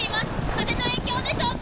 風の影響でしょうか。